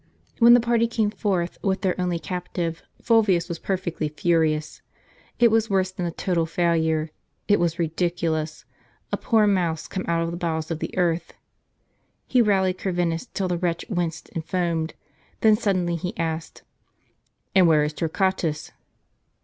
When the party came forth, with their only captive, Ful vius was perfectly furious. It was worse than a total failure : it was ridiculous — a poor mouse come out of the bowels of the earth. He rallied Corvinus till the wretch winced and foamed; then suddenly he asked, "And where is Torquatus?"